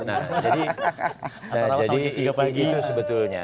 nah jadi itu sebetulnya